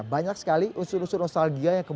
banyak sekali unsur unsur nostalgianya